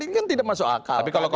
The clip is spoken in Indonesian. ini kan tidak masuk akal